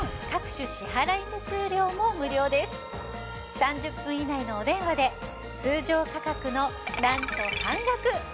３０分以内のお電話で通常価格のなんと半額。